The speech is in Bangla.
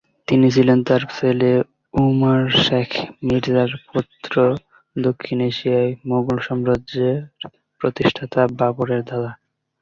তিনি ছিলেন তার ছেলে উমার শেখ মির্জার পুত্র দক্ষিণ এশিয়ায় মুঘল সম্রাজ্যের প্রতিষ্ঠাতা বাবরের দাদা।